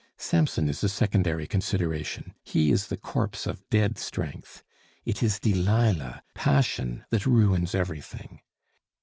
Samson is a secondary consideration. He is the corpse of dead strength. It is Delilah passion that ruins everything.